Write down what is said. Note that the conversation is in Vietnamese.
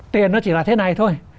tiền nó chỉ là thế này thôi